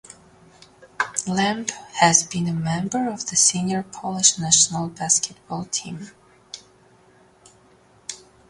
Lampe has been a member of the senior Polish national basketball team.